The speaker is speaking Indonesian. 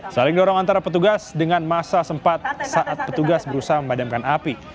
saling dorong antara petugas dengan masa sempat saat petugas berusaha memadamkan api